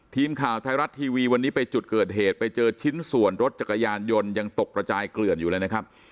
ทีมข่าวไทยรัฐทีวีวันนี้ไปจุดเกิดเหตุไปเจอชิ้นส่วนรถจักรยานยนต์ยังตกระจายเกลื่อนอยู่เลยนะครับ